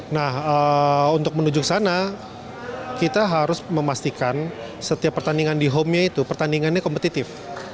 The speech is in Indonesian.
nah untuk menuju ke sana kita harus memastikan setiap pertandingan di home nya itu pertandingannya kompetitif